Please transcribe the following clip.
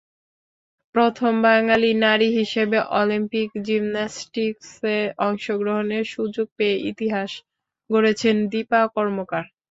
প্রথম বাঙালি নারী হিসেবে অলিম্পিক জিমন্যাস্টিকসে অংশগ্রহণের সুযোগ পেয়ে ইতিহাস গড়েছেন দীপা কর্মকার।